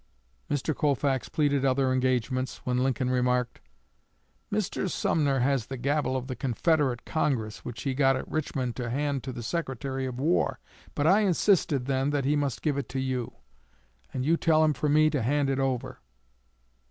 Mr. Colfax pleaded other engagements, when Lincoln remarked: "Mr. Sumner has the gavel of the Confederate Congress, which he got at Richmond to hand to the Secretary of War. But I insisted then that he must give it to you; and you tell him for me to hand it over."